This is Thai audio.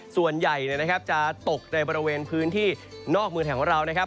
ส่วนใหญ่จะตกในบริเวณพื้นที่นอกเมืองไทยของเรานะครับ